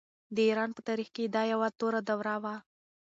د ایران په تاریخ کې دا یوه توره دوره وه.